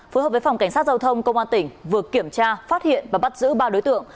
phối hợp với phòng cảnh sát giao thông công an tỉnh vừa kiểm tra phát hiện và bắt giữ ba đối tượng